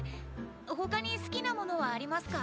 他に好きなものはありますか？